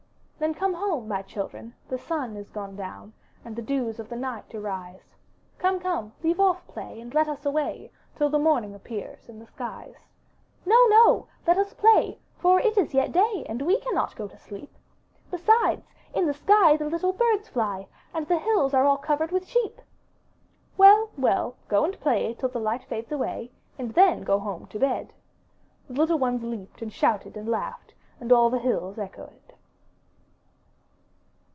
'Then come home, my children^ the sun is gone down, And the dews of the night arise; Come, come, leave off play, and let us away Till the morning appears in the skies." No, no, let us play, for it is yet day. And we cannot go to sleep; Besides in the sky the little birds fly, And the hills are all covered with sheep." ''Well, well, go and play till the light fades away, And then go home to bed.'* The little ones leaped, and shouted, and laughed. And all the hills echoed.